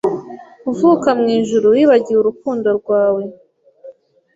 kuvuka mwijuru Wibagiwe urukundo rwawe